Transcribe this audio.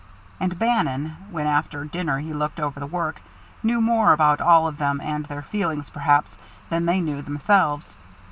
And Bannon, when after dinner he looked over the work, knew more about all of them and their feelings, perhaps, than they knew themselves.